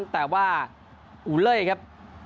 แต่ว่าอูเล่ครับ